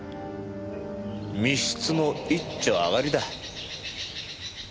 密室の一丁上がりだ。